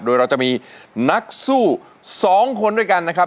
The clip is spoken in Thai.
โดยเราจะมีนักสู้๒คนด้วยกันนะครับ